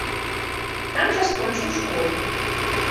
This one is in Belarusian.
Там жа скончыў школу.